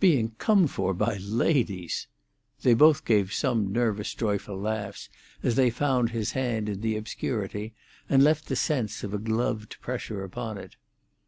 "Being come for by ladies!" They both gave some nervous joyful laughs, as they found his hand in the obscurity, and left the sense of a gloved pressure upon it.